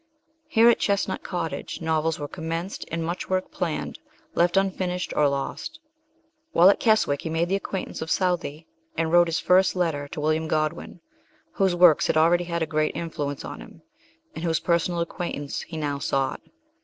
Here at Chestnut Cottage novels were commenced and much work planned, left unfinished, or lost. While at Keswick he made the acquaintance of Southey and wrote his first letter to William Godwin, whose works had already had a great influence on him, and whose per sonal acquaintance he now sought.